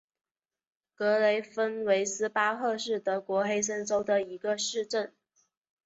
格雷芬维斯巴赫是德国黑森州的一个市镇。